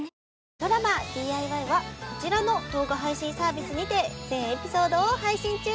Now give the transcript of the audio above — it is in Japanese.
ドラマ「ＤＩＹ‼」はこちらの動画配信サービスにて全エピソードを配信中！